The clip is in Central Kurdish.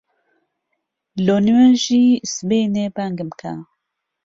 لۆ نوێژی سبەینێ بانگم بکە.